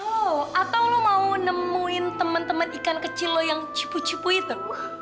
oh atau lo mau nemuin temen temen ikan kecil lo yang cipu cipu itu